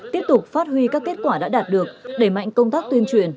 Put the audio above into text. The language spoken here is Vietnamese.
tiếp tục phát huy các kết quả đã đạt được đẩy mạnh công tác tuyên truyền